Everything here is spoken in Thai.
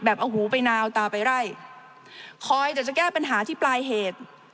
เอาหูไปนาวตาไปไล่คอยแต่จะแก้ปัญหาที่ปลายเหตุ